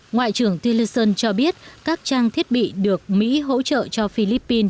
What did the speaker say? ngoại trưởng tillson cho biết các trang thiết bị được mỹ hỗ trợ cho philippines